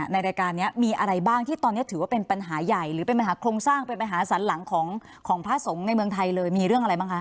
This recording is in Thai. ในรายการนี้มีอะไรบ้างที่ตอนนี้ถือว่าเป็นปัญหาใหญ่หรือเป็นปัญหาโครงสร้างเป็นปัญหาสันหลังของพระสงฆ์ในเมืองไทยเลยมีเรื่องอะไรบ้างคะ